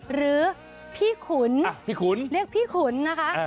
หรือพี่ขุนพี่ขุนเรียกพี่ขุนนะคะ